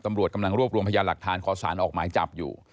ตำรวจกำลังรวบรวมพยานหลักฐานขอสารออกหมายจับอยู่